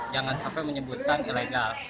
jangan sampai menyebutkan ilegal